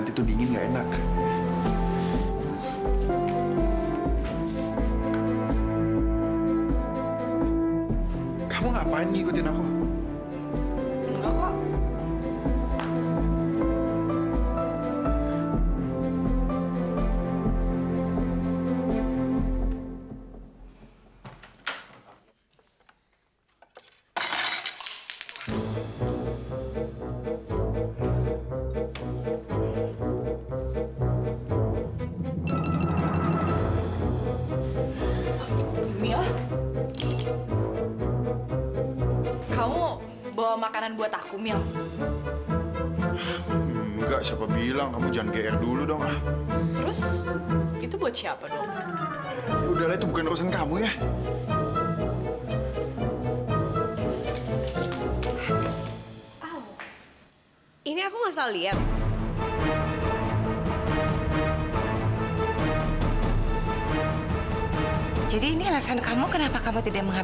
sampai jumpa di video selanjutnya